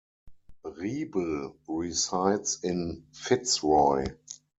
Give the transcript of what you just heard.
Riebl resides in Fitzroy.